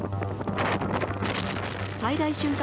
最大瞬間